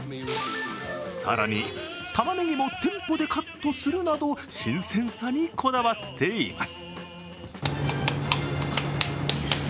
更に、たまねぎも店舗でカットするなど、新鮮さにこだわっています。